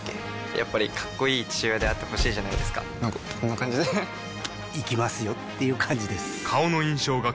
やっぱりかっこいい父親であってほしいじゃないですかなんかこんな感じで行きますよっていう感じです